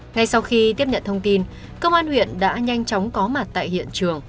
ngay sau khi tiếp nhận thông tin công an huyện đã nhanh chóng có mặt tại hiện trường